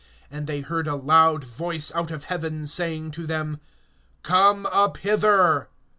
(12)And they heard a loud voice out of heaven, saying to them: Come up hither.